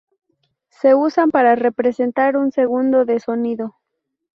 se usan para representar un segundo de sonido